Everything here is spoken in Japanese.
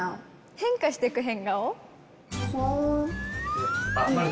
変化していく変顔？